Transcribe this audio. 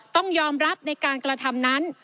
ต้องยอมรับในการกระทำนั้น